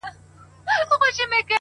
ستا د رخسار په ائينه کي مُصور ورک دی”